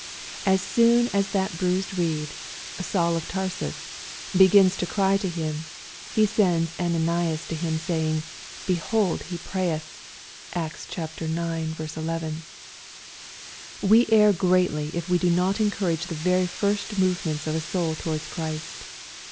As soon as that bruised reed, Saul of Tarsus, begins to cry to Him, He sends Ananias to him, saying, " Behold he prayeth.'' (Acts ix. 11.) We err greatly if we do not encourage the very first movements of a soul towards Christ.